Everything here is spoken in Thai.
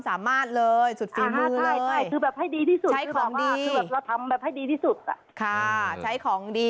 สามสิบบอโอเคไหม